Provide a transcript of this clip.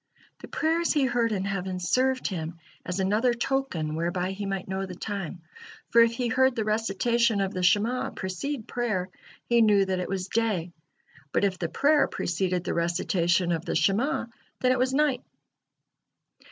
The prayers he heard in heaven served him as another token whereby he might know the time, for if he heard the recitation of the Shema' precede prayer, he knew that it was day, but if the prayer preceded the recitation of the Shema', then it was night.